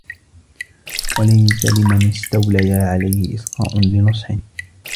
وَلَيْسَ لِمَنْ اسْتَوْلَيَا عَلَيْهِ إصْغَاءٌ لِنُصْحٍ